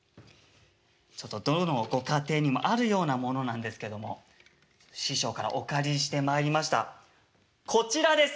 ちょっとどのご家庭にもあるようなものなんですけども師匠からお借りしてまいりましたこちらです。